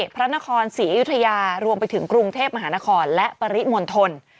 พระนครศรีอยุธยารวมไปถึงกรุงเทพมหานครและปริมณฑล